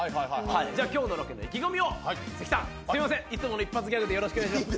じゃあ今日のロケの意気込みを関さんすみませんいつもの一発ギャグでよろしくお願いします。